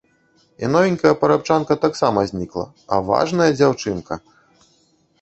І новенькая парабчанка таксама знікла, а важная дзяўчынка!